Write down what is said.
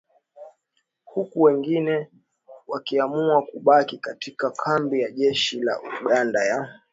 huku wengine wakiamua kubaki katika kambi ya jeshi la Uganda ya